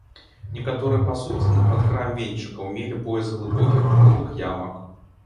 Некаторыя пасудзіны пад краем венчыкаў мелі пояс глыбокіх круглых ямак.